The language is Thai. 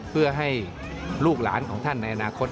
เพื่อให้ลูกหลานของท่านในอนาคต